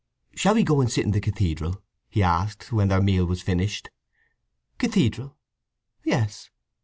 "Shall we go and sit in the cathedral?" he asked, when their meal was finished. "Cathedral? Yes.